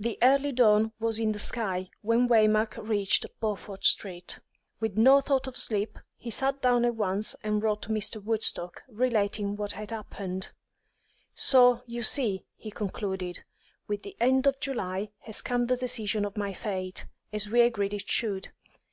The early dawn was in the sky when Waymark reached Beaufort Street. With no thought of sleep, he sat down at once and wrote to Mr. Woodstock, relating what had happened. "So, you see," he concluded, "with the end of July has come the decision of my fate, as we agreed it should.